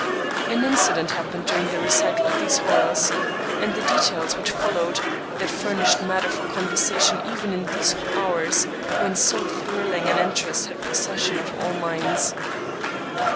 An incident happened during the recital of these horrors, and of the details which followed, that furnished matter for conversation even in these hours when so thrilling an interest had possession pf all minds.